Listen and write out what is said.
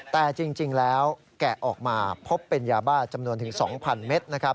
แต่จริงแล้วแกะออกมาพบเป็นยาบ้าจำนวนถึง๒๐๐เมตรนะครับ